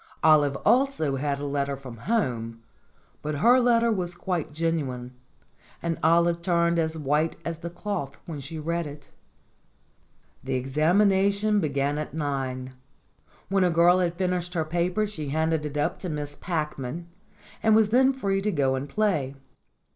Olive also had a letter from home, but her letter was quite genuine, and Olive turned as white as the cloth when she read it. The examination began at nine; when a girl had 124 STORIES WITHOUT TEARS finished her paper she handed it up to Miss Packman and was then free to go and play.